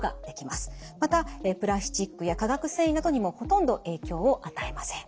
またプラスチックや化学繊維などにもほとんど影響を与えません。